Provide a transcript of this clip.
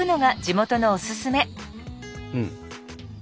うん！